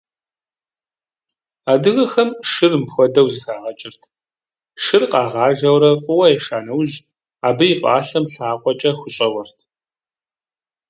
Адыгэхэм шыр мыпхуэдэу зэхагъэкӀырт: шыр къагъажэурэ фӀыуэ еша нэужь, абы и фӀалъэм лъакъуэкӀэ хущӀэуэрт.